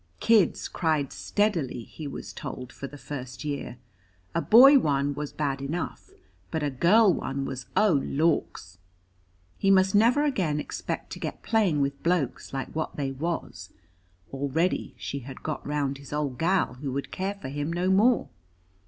Kids cried steadily, he was told, for the first year. A boy one was bad enough, but a girl one was oh lawks. He must never again expect to get playing with blokes like what they was. Already she had got round his old gal who would care for him no more.